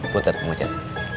putar bang ocad